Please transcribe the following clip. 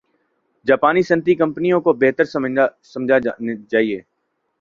جاپانی صنعتی کمپنیوں کو بہتر سمجھنا چاہِیے